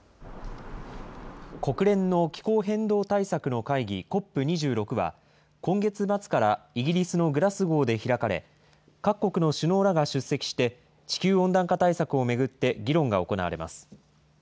国連の気候変動対策の会議、ＣＯＰ２６は、今月末からイギリスのグラスゴーで開かれ、各国の首脳らが出席して、地球温暖化対策を巡って、議論が行われます。